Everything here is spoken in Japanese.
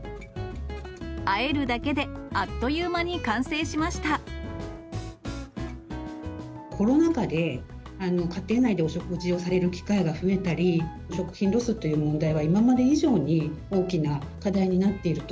あえるだけで、あっという間に完コロナ禍で、家庭内でお食事をされる機会が増えたり、食品ロスっていう問題が今まで以上に大きな課題になっていると。